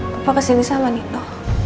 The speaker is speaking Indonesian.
papa kesini sama nino